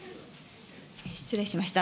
失礼しました。